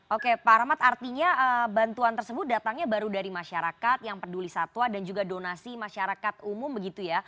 oke pak rahmat artinya bantuan tersebut datangnya baru dari masyarakat yang peduli satwa dan juga donasi masyarakat umum begitu ya